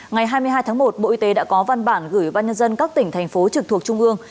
ngày hai mươi hai tháng một bộ y tế đã có văn bản gửi ban nhân dân các tỉnh thành phố trực thuộc trung ương